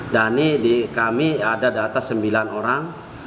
dhani di kami ada data sembilan orang